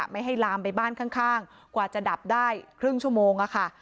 ไม่ให้ลามไปบ้านข้างกว่าจะดับได้ครึ่งชั่วโมงค่ะ